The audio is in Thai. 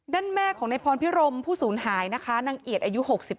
ด้านแม่ของนายพรพิรมผู้ศูนย์หายนะคะนางเอียดอายุ๖๕